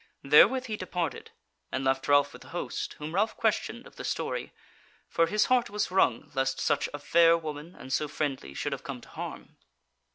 Therewith he departed, and left Ralph with the host, whom Ralph questioned of the story, for his heart was wrung lest such a fair woman and so friendly should have come to harm.